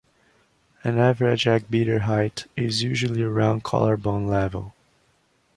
An average eggbeater height is usually around collarbone level.